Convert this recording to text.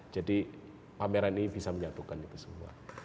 jadi pameran ini bisa menyatukan itu semua